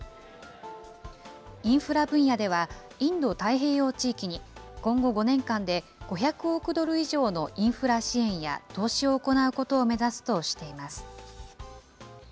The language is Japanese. インフラ分野では、インド太平洋地域に、今後５年間で５００億ドル以上のインフラ支援や投資を行うことを目指すとしています。